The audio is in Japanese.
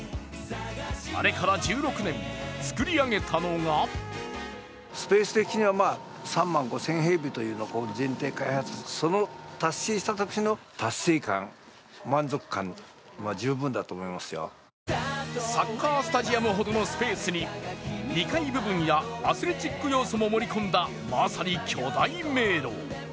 あれから１６年、作り上げたのがサッカースタジームほどのスペースに２階部分やアスレチック要素も盛り込んだまさに巨大迷路。